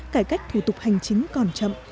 cải cách thủ tục hành chính còn chậm